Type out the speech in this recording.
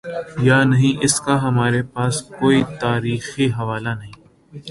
یانہیں، اس کا ہمارے پاس کوئی تاریخی حوالہ نہیں۔